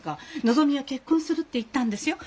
のぞみは「結婚する」って言ったんですよ。